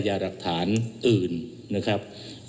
ก็จะต้องมีพยานที่จะสามารถยืนยันการกระทำผิด